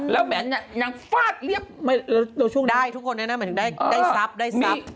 แล้วแบบนี้นางฟาดเลี้ยบได้ทุกคนนะหมายถึงได้ทรัพย์